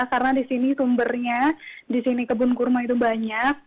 karena di sini tumbernya di sini kebun kurma itu banyak